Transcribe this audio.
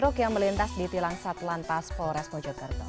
truk yang melintas di tilang satlan pas polres mojokerto